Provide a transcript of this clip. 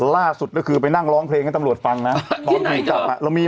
ล่าสุดก็คือไปนั่งร้องเพลงให้ตำรวจฟังนะเรามีไหมมี